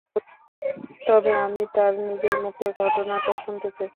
তবে আমি তাঁর নিজের মুখে ঘটনাটা শুনতে চাই।